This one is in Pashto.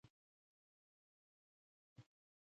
هغوی د کتاب لاندې د راتلونکي خوبونه یوځای هم وویشل.